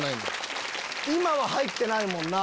今は入ってないもんな。